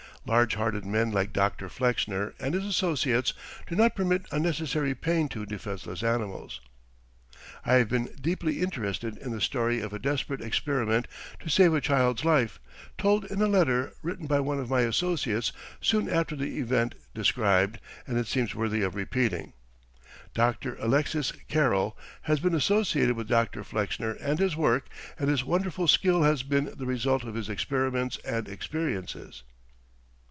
Large hearted men like Dr. Flexner and his associates do not permit unnecessary pain to defenceless animals. I have been deeply interested in the story of a desperate experiment to save a child's life, told in a letter written by one of my associates soon after the event described; and it seems worthy of repeating. Dr. Alexis Carrel has been associated with Dr. Flexner and his work, and his wonderful skill has been the result of his experiments and experiences.